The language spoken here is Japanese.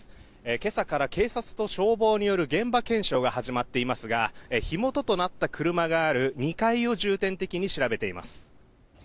今朝から警察と消防による現場検証が始まっていますが火元となった車がある２階を重点的に調べています。